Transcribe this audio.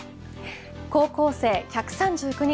高校生１３９人